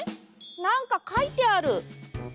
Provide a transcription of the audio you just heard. なんかかいてある！